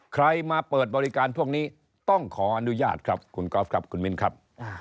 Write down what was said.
ใครมาเปิดบริการพวกนี้ต้องขออนุญาตครับคุณกอล์ฟครับคุณมิ้นครับ